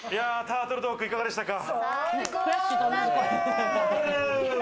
タートル・トーク、いかがでしたか？